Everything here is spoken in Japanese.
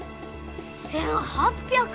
１，８００！？